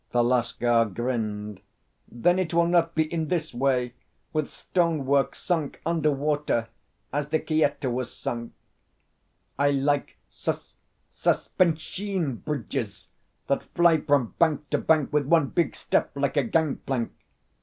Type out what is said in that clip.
The Lascar grinned. "Then it will not be in this way with stonework sunk under water, as the Qyetta was sunk. I like sus sus pen sheen bridges that fly from bank to bank with one big step, like a gang plank.